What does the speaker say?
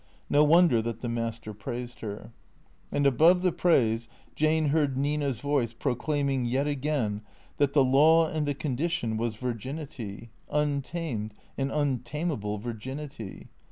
No wonder that the Master praised her. And above the praise Jane heard Nina's voice proclaiming yet again that the law and the condition was virginity, untamed and untamable virginity.